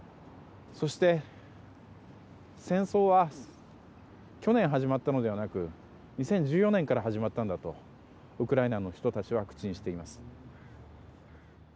そして、戦争は去年始まったのではなく２０１４年から始まったのだとウクライナの人たちは口にしています。